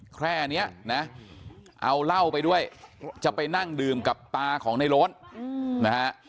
แค่นี้นะเอาเหล้าไปด้วยจะไปนั่งดื่มกับตาของในโล้นนะฮะ